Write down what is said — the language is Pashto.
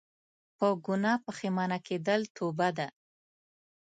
په ګناه پښیمانه کيدل توبه ده